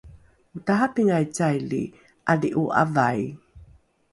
otarapingai caili ’adhi’o ’avai?